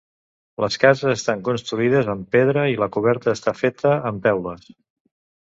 Les cases estan construïdes amb pedra, i la coberta està feta amb teules.